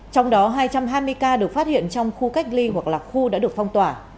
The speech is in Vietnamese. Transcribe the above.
trong đó hai trăm hai mươi ca được phát hiện trong khu cách ly hoặc lạc khu đã được phong tỏa